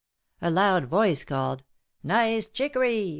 A loud voice called :" Nice chi ccory